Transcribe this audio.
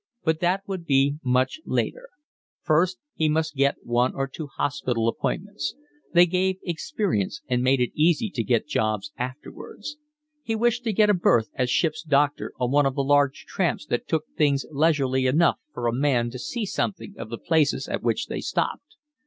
But that would be much later; first he must get one or two hospital appointments; they gave experience and made it easy to get jobs afterwards. He wished to get a berth as ship's doctor on one of the large tramps that took things leisurely enough for a man to see something of the places at which they stopped.